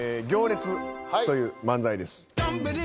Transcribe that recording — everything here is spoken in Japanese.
「行列」という漫才です